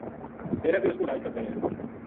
ڈیرے بے اُس کو علاج کرتا رہیا